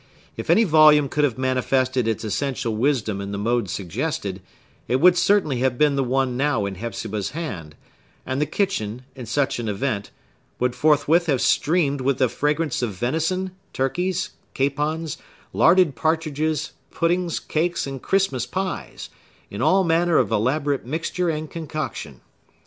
If any volume could have manifested its essential wisdom in the mode suggested, it would certainly have been the one now in Hepzibah's hand; and the kitchen, in such an event, would forthwith have streamed with the fragrance of venison, turkeys, capons, larded partridges, puddings, cakes, and Christmas pies, in all manner of elaborate mixture and concoction.